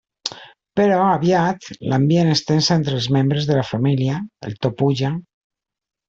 Però aviat, l'ambient es tensa entre els membres de la família, el to puja.